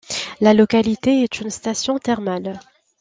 La localité est une station thermale.